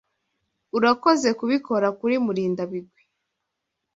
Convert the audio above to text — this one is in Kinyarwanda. Urakoze kubikora kuri Murindabigwi.